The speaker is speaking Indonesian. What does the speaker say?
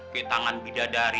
kayak tangan bidadari